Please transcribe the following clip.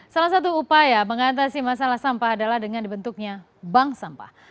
salah satu upaya mengatasi masalah sampah adalah dengan dibentuknya bank sampah